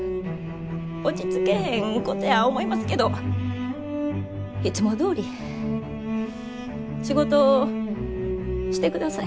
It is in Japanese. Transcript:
落ち着けへんことや思いますけどいつもどおり仕事してください。